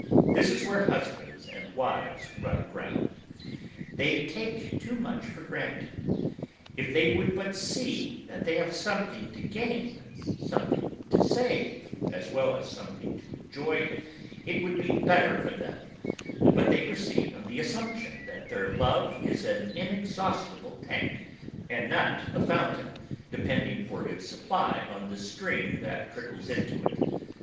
This is where husbands and wives run aground. They take too much for granted. If they would but see that they have something to gain, something to save, as well as something to enjoy, it would be better for them; but they proceed on the assumption that their love is an inexhaustible tank, and not a fountain depending for its supply on the stream that trickles into it.